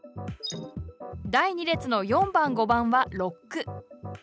第２列の４番、５番はロック。